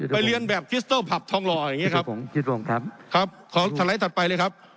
ไปเรียนแบบคิสเติลพับทองหล่ออย่างเงี้ยครับครับขอถลัยถัดไปเลยครับ